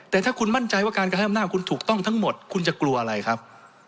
แต่ถ้าคุณมั่นใจว่าการกระทำหน้าคุณถูกต้องทั้งหมดคุณจะกลัวอะไรครับ